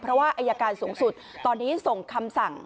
เพราะว่าอายการสูงสุดตอนนี้ส่งคำสั่ง